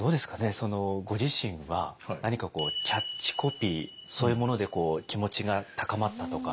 そのご自身は何かこうキャッチコピーそういうもので気持ちが高まったとか。